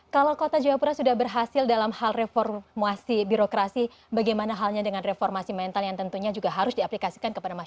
kalau kota jayapura sudah berhasil dalam hal reformasi birokrasi bagaimana halnya dengan reformasi mental yang tentunya juga harus diaplikasikan kepada masyarakat